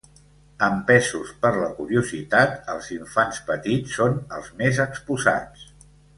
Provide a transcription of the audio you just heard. Empesos per la curiositat, els infants petits són els més exposats.